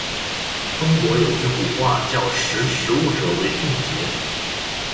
中国有句古话，叫“识时务者为俊杰”。